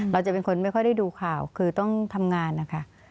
เราจะเป็นคนไม่ค่อยได้ดูข่าวคือต้องทำงานนะคะ